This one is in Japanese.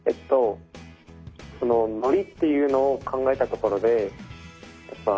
ノリっていうのを考えたところで絵文字？